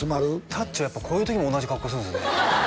たっちはやっぱこういう時も同じ格好するんですね